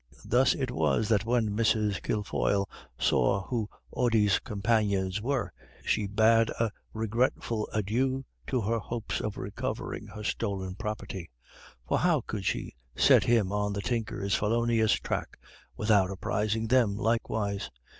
Thus it was that when Mrs. Kilfoyle saw who Ody's companions were, she bade a regretful adieu to her hopes of recovering her stolen property. For how could she set him on the Tinker's felonious track without apprising them likewise?